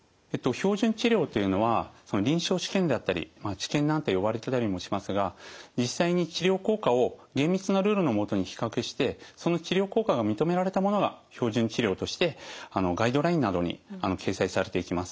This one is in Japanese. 標準治療というのは臨床試験であったり「治験」なんて呼ばれてたりもしますが実際に治療効果を厳密なルールの下に比較してその治療効果が認められたものが標準治療としてガイドラインなどに掲載されていきます。